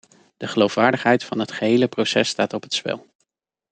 De geloofwaardigheid van het gehele proces staat op het spel.